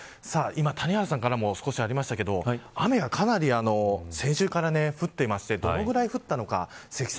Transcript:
今、谷原さんからも少しありましたけど雨がかなり先週から降っていましてどのぐらい降ったのか積算